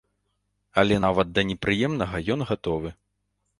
Але нават да непрыемнага ён гатовы.